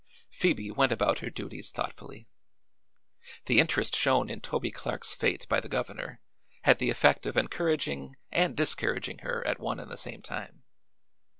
Phoebe went about her duties thoughtfully. The interest shown in Toby Clark's fate by the governor had the effect of encouraging and discouraging her at one and the same time.